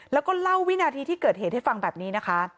แล้วก็เล่าวินาทีที่เกิดเหตุให้ฟังแบบนี้นะคะ